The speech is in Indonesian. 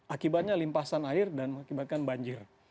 akibatnya limpasan air dan mengakibatkan banjir